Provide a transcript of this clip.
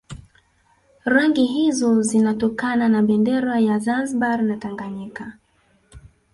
Rangi hizo zinatokana na bendera za Zanzibar na Tanganyika